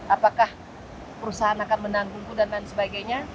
apakah perusahaan akan menanggungku dan lain sebagainya